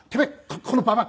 このババア！」